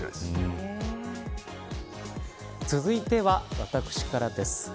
続いては私からです。